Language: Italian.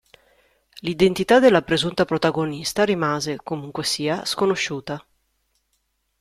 L'identità della presunta protagonista rimase comunque sia sconosciuta.